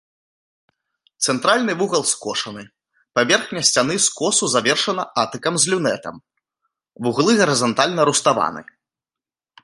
Цэнтральны вугал скошаны, паверхня сцяны скосу завершана атыкам з люнетам, вуглы гарызантальна руставаны.